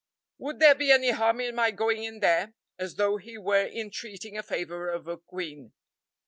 "Would there be any harm in my going in there?" as though he were entreating a favor of a queen.